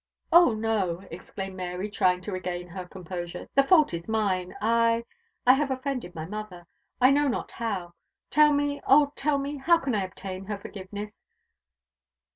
"Oh no!" exclaimed Mary, trying to regain her composure, "the fault is mine. I I have offended my mother, I know not how. Tell me, oh tell me, how I can obtain her forgiveness!"